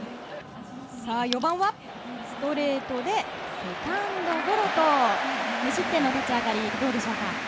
４番はストレートでセカンドゴロと無失点の立ち上がりどうでしょうか。